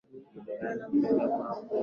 kutokana na kupenda kwao kula nyama za porini